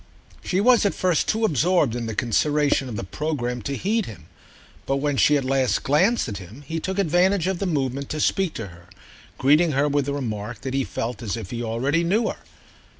She was at first too absorbed in the consideration of the programme to heed him, but when she at last glanced at him he took advantage of the movement to speak to her, greeting her with the remark that he felt as if he already knew her.